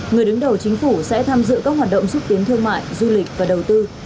người đứng đầu chính phủ sẽ tham dự các hoạt động xúc tiến thương mại du lịch và đầu tư